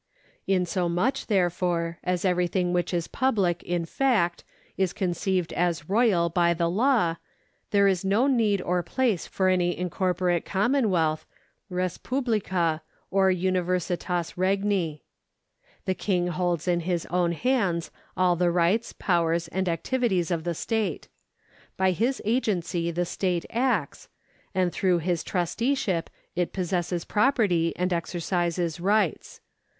Insomuch, therefore, as everything which is public in fact is conceived as royal by the law, there is no need or place for any incorporate commonwealth, respublica, or universifas regni. The King holds in his own hands all the rights, powers and activities of the state. By his agency the state acts, and through his trusteeship it possesses property and exer cises rights.